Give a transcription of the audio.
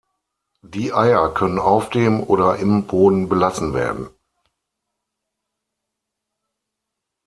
Die Eier können auf dem oder im Boden belassen werden.